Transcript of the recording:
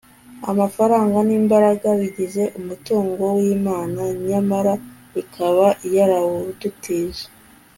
amafaranga, n'imbaraga bigize umutungo w'imana, nyamara ikaba yarawudutije